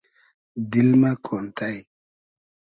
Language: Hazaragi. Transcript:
دیل مۂ کۉنتݷ